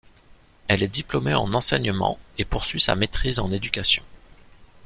Elle est diplômée en enseignement et poursuit sa maitrise en éducation.